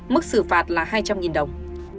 mức xử phạt là hai trăm linh đồng